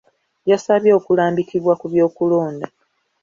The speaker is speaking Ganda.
Yasabye okulambikibwa ku by'okulonda.